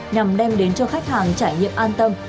nhằm đem đến cho khách hàng trải nghiệm an tâm